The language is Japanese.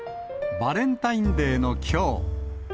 バレンタインデーのきょう。